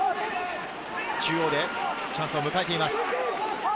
中央でチャンスを迎えています。